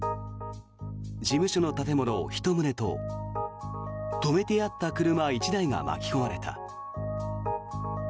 事務所の建物１棟と止めてあった車１台が巻き込まれた。